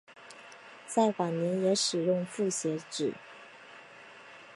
在晚年也使用复写纸。